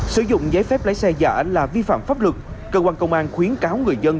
sử dụng giấy phép lái xe giả là vi phạm pháp luật cơ quan công an khuyến cáo người dân